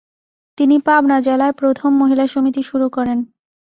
তিনি পাবনা জেলায় প্রথম মহিলা সমিতি শুরু করেন।